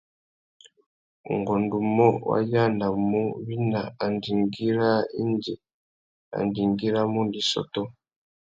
Ungôndumô, wa yānamú wina andjingüî râā indi andjingüî râ mundu i sôtô.